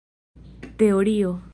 teorio